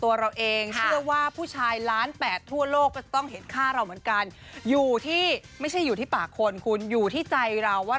ว่างพี่ว่างพี่อ่านคอมเมนต์ทุกคอมเมนต์พี่โพสต์เพื่อเป็นอุทาหอนมากกว่า